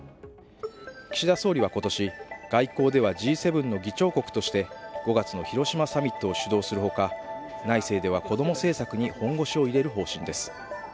岸田総理は今年、外交ではＧ７の議長国として５月の広島サミットを主導するほか内政ではこども政策に本腰を入れる方針です。